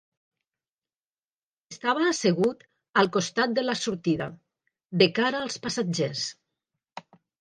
Estava assegut al costat de la sortida, de cara als passatgers.